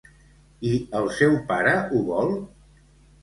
I el seu pare ho vol?